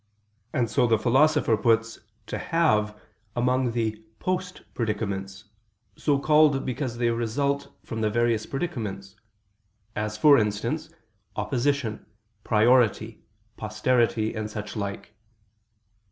And so the Philosopher puts "to have" among the "post predicaments," so called because they result from the various predicaments; as, for instance, opposition, priority, posterity, and such like.